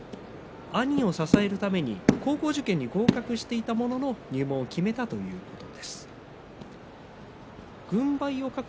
兄を支えるために高校受験に合格していましたが入門を決めたということです。